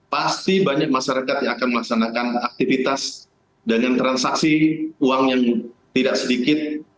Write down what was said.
pasti banyak masyarakat yang akan melaksanakan aktivitas dengan transaksi uang yang tidak sedikit